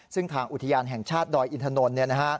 ซึ่งทางอุทยานแห่งชาติดอยอินทนนท์